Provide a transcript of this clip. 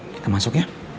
kita masuk ya